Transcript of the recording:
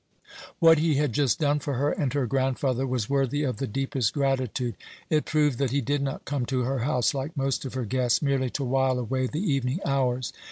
What he had just done for her and her grandfather was worthy of the deepest gratitude; it proved that he did not come to her house, like most of her guests, merely to while away the evening hours.